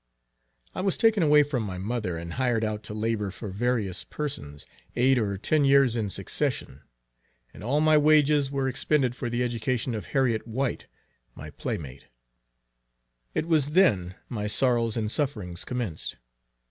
I was taken away from my mother, and hired out to labor for various persons, eight or ten years in succession; and all my wages were expended for the education of Harriet White, my playmate. It was then my sorrows and sufferings commenced.